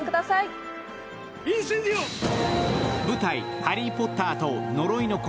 「ハリー・ポッターと呪いの子」。